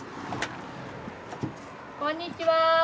こんにちは。